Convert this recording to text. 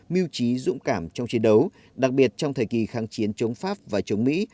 mưu trí dũng cảm trong chiến đấu đặc biệt trong thời kỳ kháng chiến chống pháp và chống mỹ